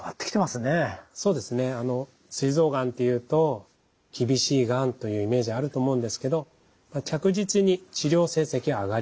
すい臓がんというと厳しいがんというイメージあると思うんですけど着実に治療成績は上がりつつあります。